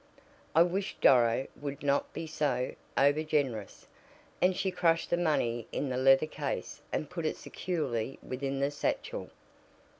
I wish Doro would not be so over generous," and she crushed the money in the leather case and put it securely within the satchel.